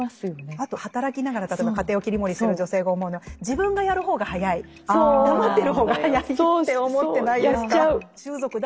あと働きながら例えば家庭を切り盛りしてる女性が思うのは自分がやる方が早い黙ってる方が早いって思ってないですか。